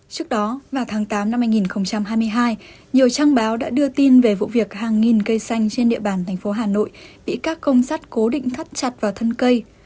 trước đó vào tháng tám năm hai nghìn hai mươi hai nhiều trang báo đã đưa tin về vụ việc hàng nghìn cây xanh trên địa bàn thành phố hà nội bị các công sát cố định thắt chặt vào thân cây